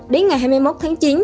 đến ngày hai mươi một tháng chín